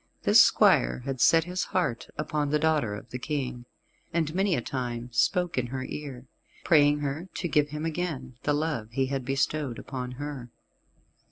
This squire had set his heart upon the daughter of the King, and many a time spoke in her ear, praying her to give him again the love he had bestowed upon her.